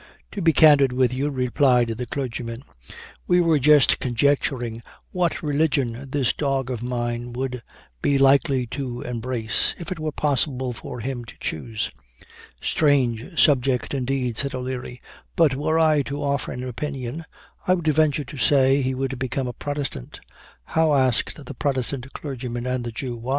"To be candid with you," replied the clergyman, "we were just conjecturing what religion this dog of mine would be likely to embrace, if it were possible for him to choose." "Strange subject, indeed," said O'Leary; "but were I to offer an opinion, I would venture to say he would become a Protestant!" "How," asked the Protestant clergyman and the Jew.